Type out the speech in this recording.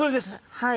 はい。